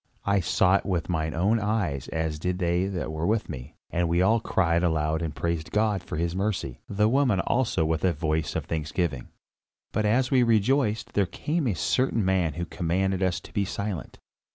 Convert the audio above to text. I saw it with mine own eyes as did they that were with me, and we all cried aloud and praised God for his mercy, the woman also with a voice of thanksgiving. But as we rejoiced, there came a certain man who commanded us to be silent.